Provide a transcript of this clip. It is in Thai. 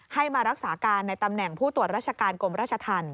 ให้มารักษาการในตำแหน่งผู้ตรวจราชการกรมราชธรรม